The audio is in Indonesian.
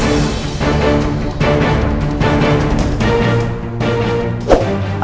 iya kamu pergi